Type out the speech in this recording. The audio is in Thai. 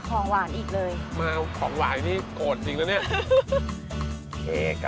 ตอนนี้เที่ยวไหมนะร้อยเดียว๒๐๐ค่ะ๒๐๐